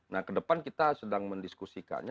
nah kedepan kita sedang mendiskusikan